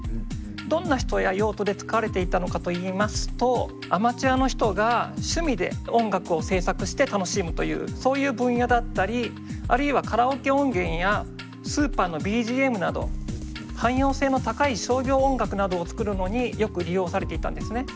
どんな人や用途で使われていたのかといいますとアマチュアの人が趣味で音楽を制作して楽しむというそういう分野だったりあるいはカラオケ音源やスーパーのＢＧＭなど汎用性の高い商業音楽などを作るのによく利用されていたんですね。